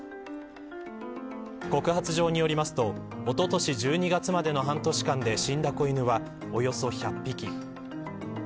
告発状によりますとおととし１２月までの半年間で死んだ子犬はおよそ１００匹。